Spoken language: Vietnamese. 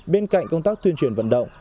bên cạnh công tác tuyên truyền vận động